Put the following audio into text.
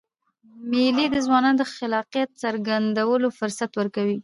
مېلې د ځوانانو د خلاقیت څرګندولو فرصت ورکوي.